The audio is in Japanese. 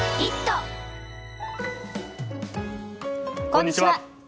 こんにちは。